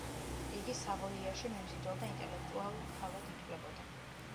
იგი სავოიაში მიმზიდველ და ინტელექტუალ ქალად ითვლებოდა.